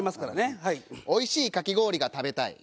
美味しいかき氷が食べたい。